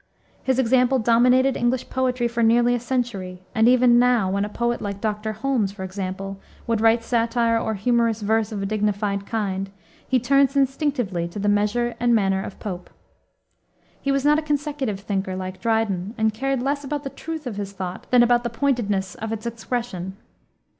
His example dominated English poetry for nearly a century, and even now, when a poet like Dr. Holmes, for example, would write satire or humorous verse of a dignified kind, he turns instinctively to the measure and manner of Pope. He was not a consecutive thinker, like Dryden, and cared less about the truth of his thought than about the pointedness of its expression.